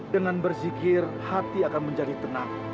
dengan berzikir hati akan menjadi tenang